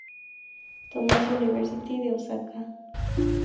Thomas University", de Osaka.